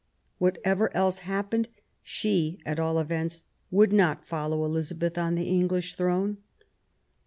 Whatever else happened, she, at all events, would not follow Elizabeth on the English throne.